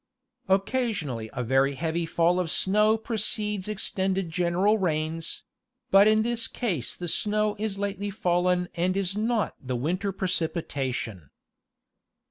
Occasionally a very heavy fall of snow precedes extended gen eral rains ; but in this case the snow is lately fallen and is not the winter precipitation.